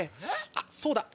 あっそうだ